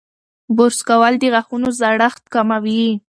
برس کول د غاښونو زړښت کموي.